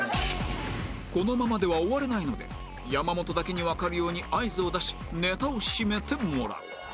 このままでは終われないので山本だけにわかるように合図を出しネタを締めてもらう